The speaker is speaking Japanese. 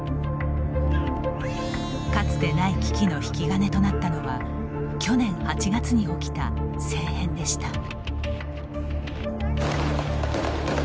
かつてない危機の引き金となったのは去年８月に起きた政変でした。